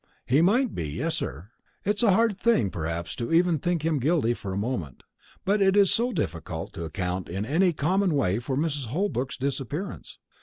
"He might be yes, sir. It is a hard thing, perhaps, even to think him guilty for a moment. But it is so difficult to account in any common way for Mrs. Holbrook's disappearance.